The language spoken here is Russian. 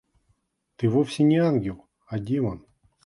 Ты вовсе не ангел, а демон.